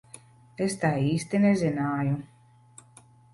Es tā īsti nezināju.